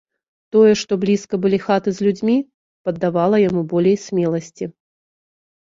Тое, што блізка былі хаты з людзьмі, паддавала яму болей смеласці.